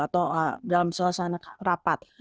atau dalam sebuah rapat